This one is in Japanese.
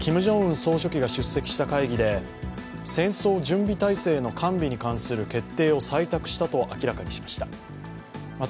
総書記が出席した会議で戦争準備態勢の完備に関する決定を採択したと明らかにしました。